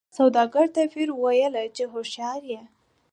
سوداګر ته پیر ویله چي هوښیار یې